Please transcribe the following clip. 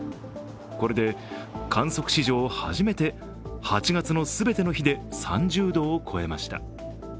これで観測史上初めて８月の全ての日で３０度を超えました。